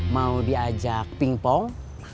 mau diajak pingpong